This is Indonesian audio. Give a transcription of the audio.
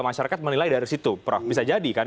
masyarakat menilai dari situ prof bisa jadi kan